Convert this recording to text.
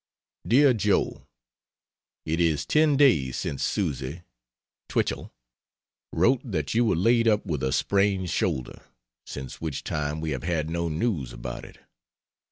DEAR JOE, It is ten days since Susy [Twichell] wrote that you were laid up with a sprained shoulder, since which time we have had no news about it.